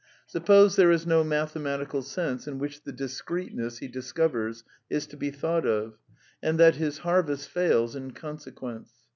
Suppose there is no mathematical sense in which the discreteness he dis covers is to be thought of, and that his harvest fails in consequence.